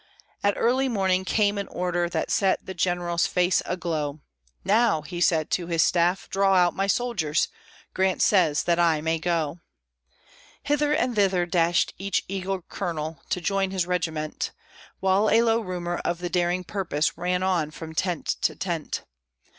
At early morning came an order, that set the General's face aglow: "Now," said he to his staff, "draw out my soldiers! Grant says that I may go." Hither and thither dashed each eager Colonel, to join his regiment, While a low rumor of the daring purpose ran on from tent to tent.